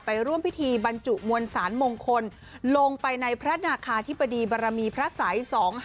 ร่วมพิธีบรรจุมวลสารมงคลลงไปในพระนาคาธิบดีบรมีพระสัย๒๕๖